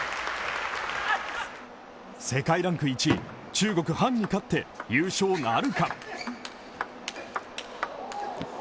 世界ランク１位、中国ハンに勝って優勝があるか。